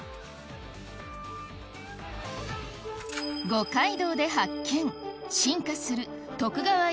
五街道で発見